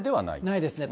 ないですね。